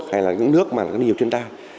hay là những nước mà có nhiều thiên tai